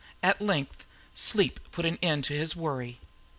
At length sleep put an end to his worry.